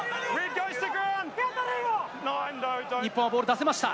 日本はボール、出せました。